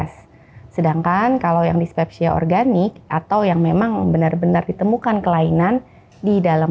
sedangkan kalau yang dispepsia organik atau yang memang benar benar ditemukan kelainan di dalam